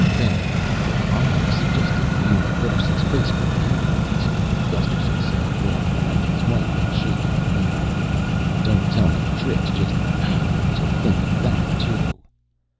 "Fay, I suggested Vina Vidarsson's face for the beauty mask," Gusterson said, walking around his wife and shaking a finger. "Don't tell me Trix just happened to think of that too."